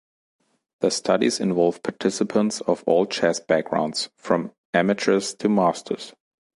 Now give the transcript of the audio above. The studies involve participants of all chess backgrounds, from amateurs to masters.